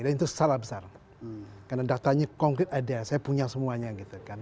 dan itu salah besar karena daftarnya konkret ada saya punya semuanya gitu kan